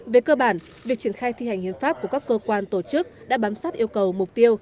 về cơ bản việc triển khai thi hành hiến pháp của các cơ quan tổ chức đã bám sát yêu cầu mục tiêu